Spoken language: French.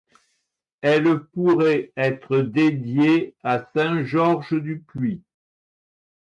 Elle pourrait être dédiée à Saint Georges du Puy.